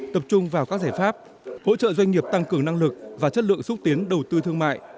tập trung vào các giải pháp hỗ trợ doanh nghiệp tăng cường năng lực và chất lượng xúc tiến đầu tư thương mại